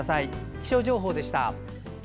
気象情報でした。